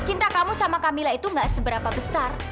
cinta kamu sama camilla itu gak seberapa besar